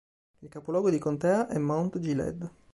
Il capoluogo di contea è Mount Gilead.